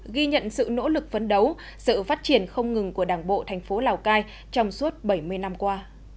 ghi nhận sự nỗ lực phấn đấu sự phát triển không ngừng của đảng bộ thành phố lào cai trong suốt bảy mươi năm qua